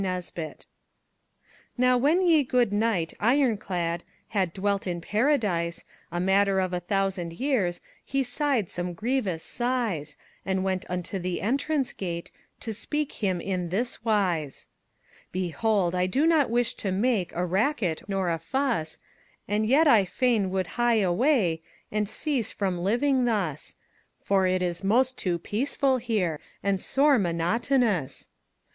NESBIT Now, whenne ye goode knyghte Yroncladde Hadde dwelte in Paradyse A matter of a thousand yeares, He syghed some grievous syghes, And went unto the entrance gate To speake hym in thys wyse: "Beholde, I do not wysh to make A rackette, nor a fuss, And yet I fayne wolde hie awaye And cease from livyng thus; For it is moste too peaceful here, And sore monotonous."